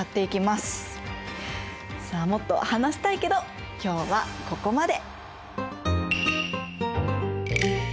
もっと話したいけど今日はここまで。